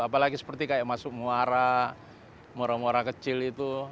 apalagi seperti kayak masuk muara mura muara kecil itu